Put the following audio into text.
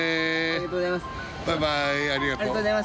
ありがとうございます。